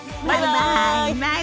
バイバイ！